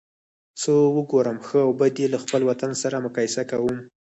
څه وګورم ښه او بد یې له خپل وطن سره مقایسه کوم.